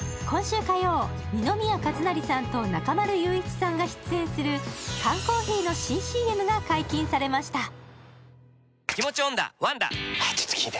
今週火曜、二宮和也さんと中丸雄一さんが出演する缶コーヒーの新ＣＭが解禁されました。